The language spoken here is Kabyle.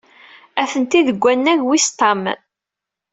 Atenti deg wannag wis ṭam.